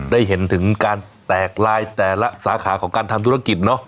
ได้เห็นถึงการแตกลายแต่ละสาขาของการทำธุรกิจเนอะ